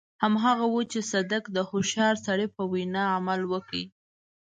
هماغه و چې صدک د هوښيار سړي په وينا عمل وکړ.